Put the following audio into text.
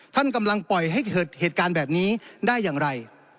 ท่านกำลังปล่อยให้เกิดเหตุการณ์แบบนี้ได้อย่างไร